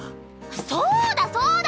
そうだそうだ！